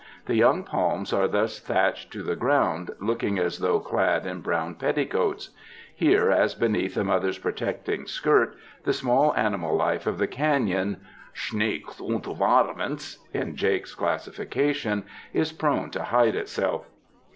The young palms are thus thatched to the ground, looking as though clad in brown petticoats. Here, as beneath a mother's protecting skirt, the small animal life of the canon — '^shnakes unt varmints," in Jake's classification — is prone to hide itself.